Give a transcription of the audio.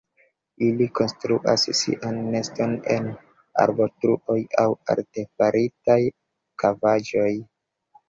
Ili konstruas sian neston en arbotruoj aŭ artefaritaj kavaĵoj.